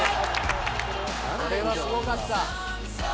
これはすごかった。